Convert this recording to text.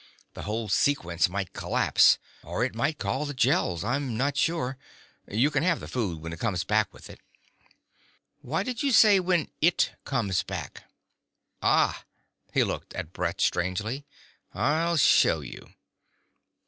The whole sequence might collapse; or it might call the Gels. I'm not sure. You can have the food when it comes back with it." "Why do you say 'when "it" comes back'?" "Ah." He looked at Brett strangely. "I'll show you."